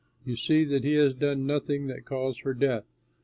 You see that he has done nothing that calls for death.